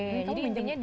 ini kamu bingungnya di